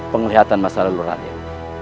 penglihatan masa lalu raden